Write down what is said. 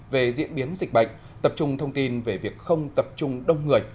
về diễn biến dịch bệnh tập trung thông tin về việc không tập trung đông người